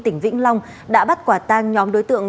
tỉnh vĩnh long đã bắt quả tang nhóm đối tượng